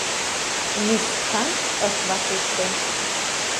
Мисс Хант ыш вашеште.